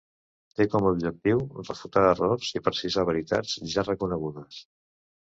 Té com a objectiu refutar errors i precisar veritats ja reconegudes.